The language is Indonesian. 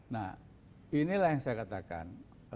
nah inilah yang saya katakan